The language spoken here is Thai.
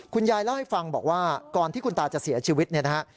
คุณยายเล่าให้ฟังบอกว่าก่อนที่คุณตาจะเสียชีวิตเนี่ยนะฮะ